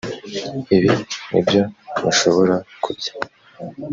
ibi ni byo mushobora kurya